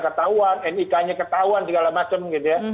ketahuan nik nya ketahuan segala macam gitu ya